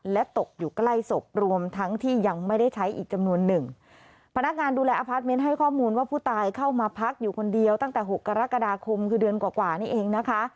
และตกอยู่ใกล้ศพรวมทั้งที่ยังไม่ได้ใช้อีกจำนวนหนึ่งพนักงานดูแลอพาร์ทเมนต์ให้ข้อมูลว่าผู้ตายเข้ามาพักอยู่คนเดียวตั้งแต่หกกรกฎาคมคือเดือนกว่ากว่านี่เองนะคะ